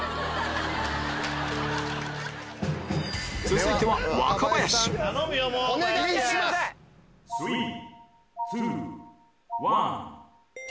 続いてはお願いします！